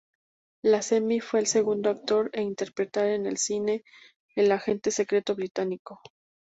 Lazenby fue el segundo actor en interpretar en el cine al agente secreto británico.